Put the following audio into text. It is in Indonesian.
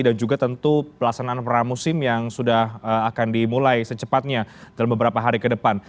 dan juga tentu pelaksanaan peramusim yang sudah akan dimulai secepatnya dalam beberapa hari ke depan